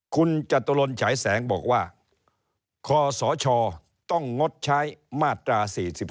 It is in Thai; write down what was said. คุณจตุรนฉายแสงบอกว่าคศต้องงดใช้มาตรา๔๔